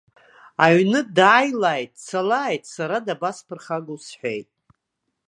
Аҩны дааилааит, дцалааит, сара дабасԥырхагоу сҳәеит.